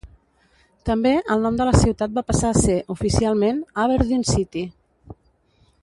També, el nom de la ciutat va passar a ser, oficialment, "Aberdeen City".